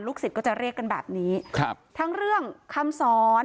ลูกศิษย์ก็จะเรียกกันแบบนี้ทั้งเรื่องคำสอน